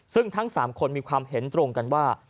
ซึ่งทั้ง๓คนมีความเห็นตรงกันว่า